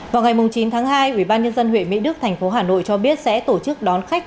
vào ngày chín tháng hai ủy ban nhân dân huyện mỹ đức thành phố hà nội cho biết sẽ tổ chức đón khách